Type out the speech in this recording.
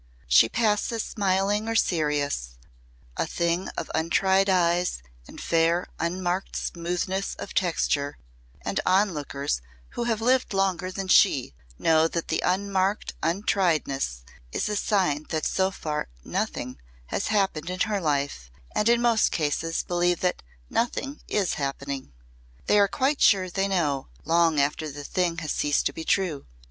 She passes smiling or serious, a thing of untried eyes and fair unmarked smoothness of texture, and onlookers who have lived longer than she know that the unmarked untriedness is a sign that so far "nothing" has happened in her life and in most cases believe that "nothing" is happening. They are quite sure they know long after the thing has ceased to be true.